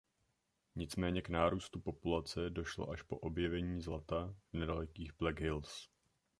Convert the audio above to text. Nicméně k nárůstu populace došlo až po objevení zlata v nedalekých Black Hills.